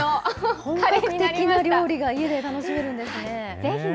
本格的なカレーが家で楽しめるんですね。